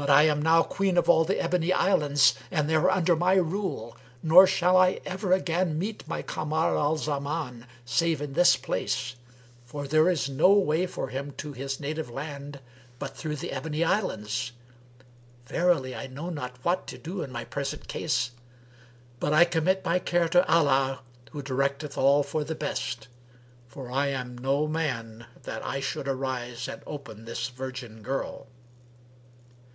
But I am now Queen of all the Ebony Islands and they are under my rule, nor shall I ever again meet my Kamar al Zaman save in this place; for there is no way for him to his native land but through the Ebony Islands. Verily, I know not what to do in my present case, but I commit my care to Allah who directeth all for the best, for I am no man that I should arise and open this virgin girl."